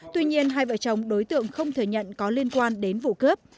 tuy nhiên hai vợ chồng đối tượng không thừa nhận có liên quan đến vụ cướp